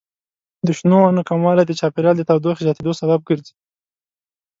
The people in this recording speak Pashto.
د شنو ونو کموالی د چاپیریال د تودوخې زیاتیدو سبب ګرځي.